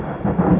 ya enggak apa apa